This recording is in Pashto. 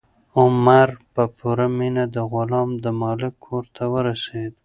عمر په پوره مینه د غلام د مالک کور ته ورسېد.